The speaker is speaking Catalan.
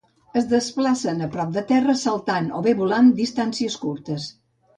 Es desplacen a prop de terra, saltant o bé volant distàncies curtes.